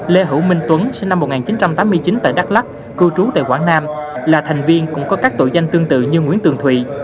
lê hữu minh tuấn sinh năm một nghìn chín trăm tám mươi chín tại đắk lắc cư trú tại quảng nam là thành viên cũng có các tội danh tương tự như nguyễn tường thụy